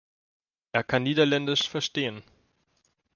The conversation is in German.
Er kann Niederländisch verstehen.